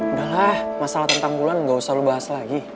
udahlah masalah tentang bulan gausah lo bahas lagi